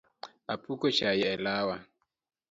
Apuko chai e lawa